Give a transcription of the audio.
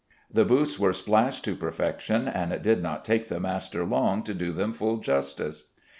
The boots were splashed to perfection, and it did not take the master long to do them full justice.